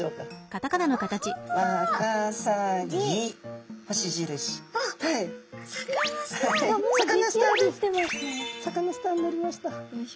サカナスターになりました。